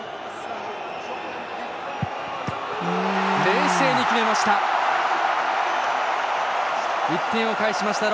冷静に決めました！